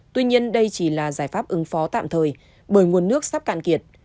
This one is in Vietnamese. tuy nhiên đây chỉ là giải pháp ứng phó tạm thời bởi nguồn nước sắp cạn kiệt